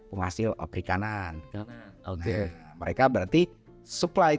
beras itu kan produksinya misalnya ada di jawa barat